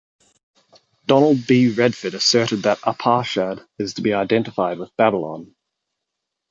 Donald B. Redford asserted that Arpachshad is to be identified with Babylon.